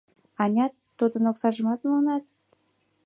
Анят, тудын оксажымак муынат?